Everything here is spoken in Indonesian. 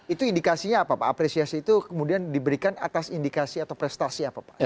itu indikasinya apa pak apresiasi itu kemudian diberikan atas indikasi atau prestasi apa pak